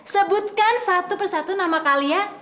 sebutkan satu persatu nama kalian